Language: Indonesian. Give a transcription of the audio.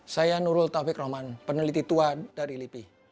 saya nurul taufikur rahman peneliti tua dari lipi